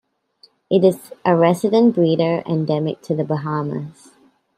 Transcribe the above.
It is a resident breeder endemic to the Bahamas.